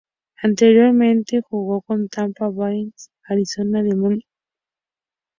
Anteriormente jugó con los Tampa Bay Rays, Arizona Diamondbacks, Philadelphia Phillies y Baltimore Orioles.